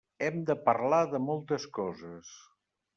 Hem de parlar de moltes coses.